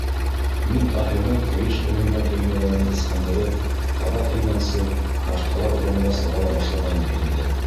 Мин Таһирҙың ҡыйыш эленгән төймәләрен ысҡындырып, ҡабат элгәнсе, башҡалар урамға сыға ла башлағайны инде.